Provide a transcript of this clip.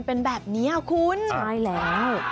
เป็นแบบนี้คุณใช่แล้ว